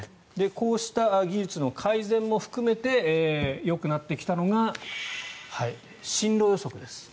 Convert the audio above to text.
こうした技術の改善も含めてよくなってきたのが進路予測です。